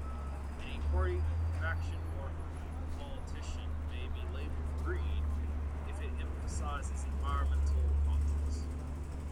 Any party, faction, or politician may be labeled "green" if it emphasizes environmental causes.